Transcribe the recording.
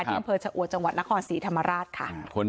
ที่อินเฟิร์ชอัวร์จังหวัดนครศรีธรรมราชค่ะ